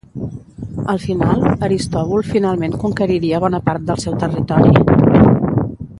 Al final, Aristòbul finalment conqueriria bona part del seu territori.